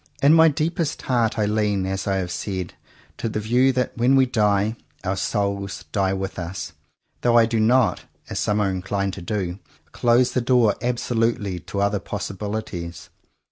In my deepest heart I lean, as I have said, to the view that, when we die, our "souls" die with us, though I do not, as some are inclined to do, close the door absolutely to other possibilities.